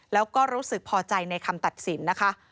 แล้วก็รู้สึกพอใจในคำตัดสินนะคะ